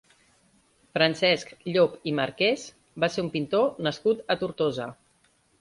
Francesc Llop i Marqués va ser un pintor nascut a Tortosa.